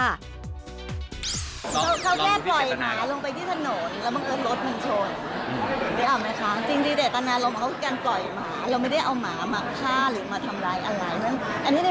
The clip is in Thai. อยู่แล้วครับแต่ว่าบังเอิญเจตนาที่ว่ามันเป็นแบบนี้